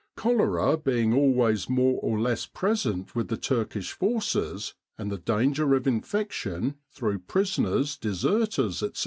Cholera being always more or less present with the Turkish Forces, and the danger of infection, through prisoners, deserters, &c.